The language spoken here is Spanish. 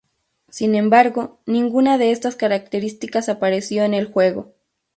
Sin embargo, ninguna de estas características apareció en el juego.